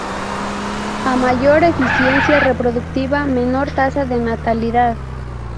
A mayor eficiencia reproductiva menor tasa de natalidad.